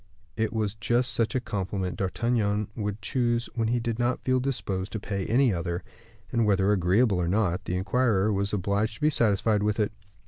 It was just such a compliment D'Artagnan would choose where he did not feel disposed to pay any other: and, whether agreeable or not, the inquirer was obliged to be satisfied with it.